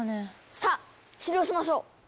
さあ治療しましょう。